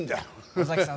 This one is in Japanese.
尾崎さん